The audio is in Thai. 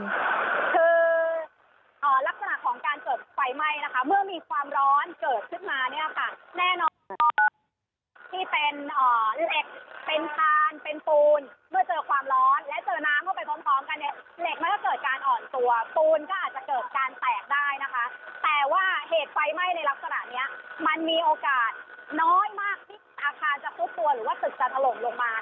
คือลักษณะของการเกิดไฟไหม้นะคะเมื่อมีความร้อนเกิดขึ้นมาเนี่ยค่ะแน่นอนที่เป็นเหล็กเป็นคานเป็นปูนเมื่อเจอความร้อนและเจอน้ำเข้าไปพร้อมพร้อมกันเนี่ยเหล็กมันก็เกิดการอ่อนตัวปูนก็อาจจะเกิดการแตกได้นะคะแต่ว่าเหตุไฟไหม้ในลักษณะเนี้ยมันมีโอกาสน้อยมากที่อาคารจะซุดตัวหรือว่าตึกจะถล่มลงมา